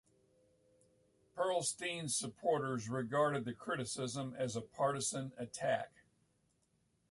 Perlstein's supporters regarded the criticism as a partisan attack.